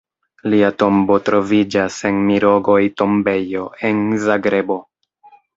Lia tombo troviĝas en Mirogoj-tombejo en Zagrebo.